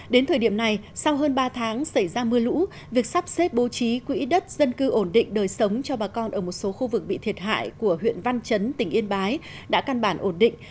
đến thời điểm này sau hơn ba tháng xảy ra mưa lũ việc sắp xếp bố trí quỹ đất dân cư ổn định đời sống cho bà con ở một số khu vực bị thiệt hại của huyện văn chấn tỉnh yên bái đã căn bản ổn định